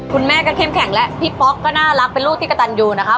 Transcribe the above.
คุณแม่ก็เข้มแข็งแล้วพี่ป๊อกก็น่ารักเป็นลูกที่กระตันอยู่นะคะ